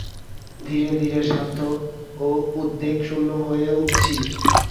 ধীরে ধীরে শান্ত ও উদ্বেগশূন্য হয়ে উঠছি।